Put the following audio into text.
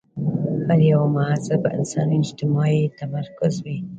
پر یوه مهذب انساني اجتماع یې تمرکز وي.